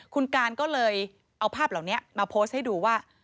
คุณการก็เลยเอาภาพเหล่านี้มาโพสต์ให้ดูว่า